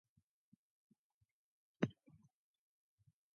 Taylor destroyed the generator and the steel doors burst open.